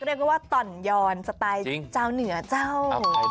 เรียกว่าต่อนยอนสไตล์เจ้าเหนือเจ้า